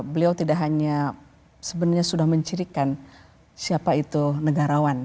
beliau tidak hanya sebenarnya sudah mencirikan siapa itu negarawan